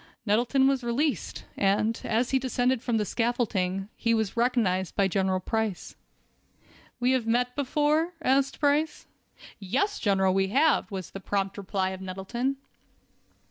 Nettleton was released, and, as he descended from the scaffolding, he was recognized by General Price. "We have met before?" asked Price. "Yes, General, we have," was the prompt reply of Nettleton.